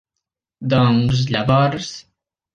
-Doncs, llavors…